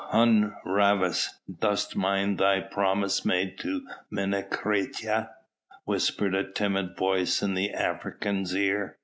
"Hun Rhavas, dost mind thy promise made to Menecreta?" whispered a timid voice in the African's ear.